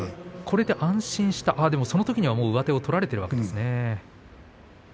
安心した、そのときには上手を取られているわけですね。